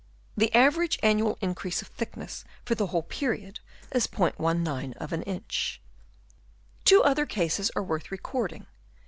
The average annual increase of thick ness for the whole period is *19 of an inch. Two other cases are worth recording.